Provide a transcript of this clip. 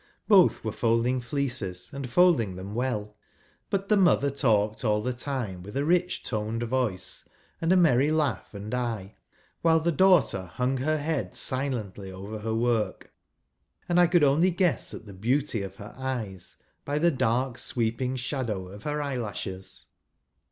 Both were folding fleeces, and folding them well ; but the mother talked all the time with a rich toned voice, and a merry laugh and eye, while the daughter hung her head silently over her work ; and I could only guess at the beauty of her eyes by the dark sweeping shadow of her eyelashes.